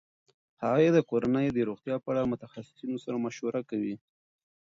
هغې د کورنۍ د روغتیا په اړه د متخصصینو سره مشوره کوي.